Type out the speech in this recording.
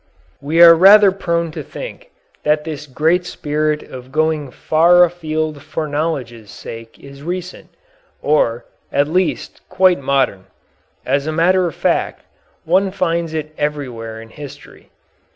We are rather prone to think that this great spirit of going far afield for knowledge's sake is recent, or, at least, quite modern. As a matter of fact, one finds it everywhere in history.